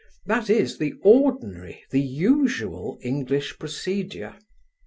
That is the ordinary, the usual English procedure.